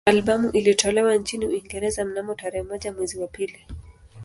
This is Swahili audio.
Albamu ilitolewa nchini Uingereza mnamo tarehe moja mwezi wa pili